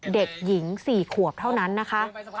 เด็กหญิง๔ขวบเท่านั้นนะคะ